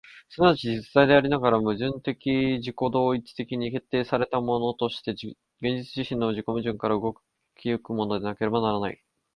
即ち実在でありながら、矛盾的自己同一的に決定せられたものとして、現実自身の自己矛盾から動き行くものでなければならない。